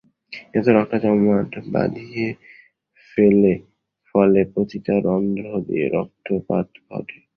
এটা রক্ত জমাট বাধিয়ে ফেলে, ফলে প্রতিটা রন্ধ্র দিয়ে রক্তপাত ঘটে।